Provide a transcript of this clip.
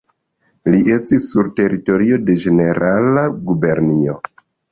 Li restis sur teritorio de Ĝenerala Gubernio.